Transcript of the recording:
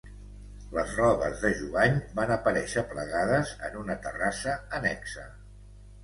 Les robes de Jubany van aparèixer plegades en una terrassa annexa.